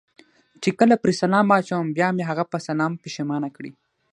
چې کله پرې سلام واچوم، بیا مې په هغه سلام پښېمانه کړي.